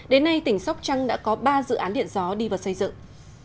đến nay tỉnh sóc trăng đã có ba dự án điện gió đi vào xây dựng